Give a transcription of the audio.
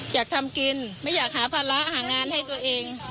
อยากทำกินไม่อยากหาภาระหางานให้ตัวเอง